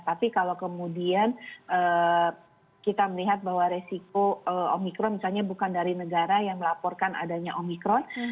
tapi kalau kemudian kita melihat bahwa resiko omikron misalnya bukan dari negara yang melaporkan adanya omikron